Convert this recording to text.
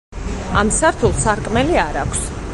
ამ სართულს სარკმელი არ აქვს.